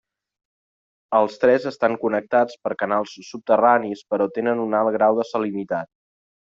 Els tres estan connectats per canals subterranis però tenen un alt grau de salinitat.